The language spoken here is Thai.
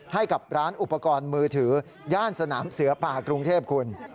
ให้กับร้านอุปกรณ์มือถือย่านสนามเสือป่ากรุงเทพคุณ